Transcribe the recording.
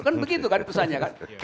kan begitu kan itu saja kan